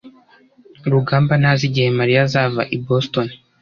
rugamba ntazi igihe mariya azava i boston